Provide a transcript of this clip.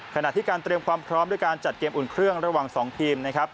ขณะที่การเตรียมความพร้อมด้วยการจัดเกมอุ่นเครื่องระหว่าง๒ทีมนะครับ